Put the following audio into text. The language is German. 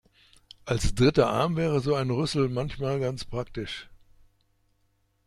Als dritter Arm wäre so ein Rüssel manchmal ganz praktisch.